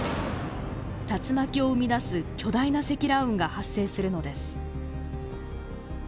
竜巻を生み出す巨大な積乱雲が発生するのです。